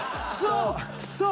そう！